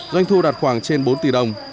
doanh thu đạt khoảng trên bốn tỷ đồng